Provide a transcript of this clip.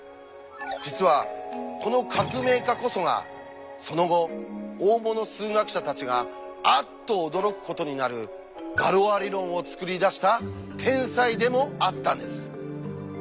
実はこの革命家こそがその後大物数学者たちがあっと驚くことになる「ガロア理論」を作り出した天才でもあったんです。